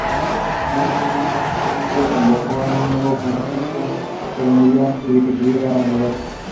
He replaced Johannes Vanja.